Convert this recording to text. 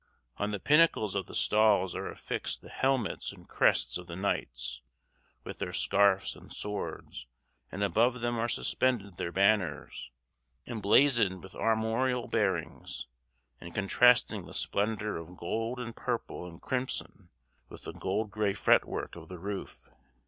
On the pinnacles of the stalls are affixed the helmets and crests of the knights, with their scarfs and swords, and above them are suspended their banners, emblazoned with armorial bearings, and contrasting the splendor of gold and purple and crimson with the cold gray fretwork of the roof.